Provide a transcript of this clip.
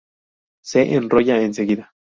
Se enrolla enseguida.